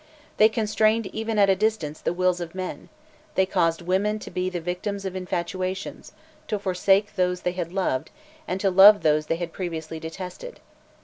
They constrained, even at a distance, the wills of men; they caused women to be the victims of infatuations, to forsake those they had loved, and to love those they had previously detested.